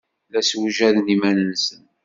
La ssewjaden iman-nsen.